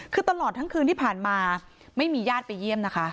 คือตลอดทั้งคืนที่ผ่านมาไม่มีญาติไปเยี่ยมนะคะ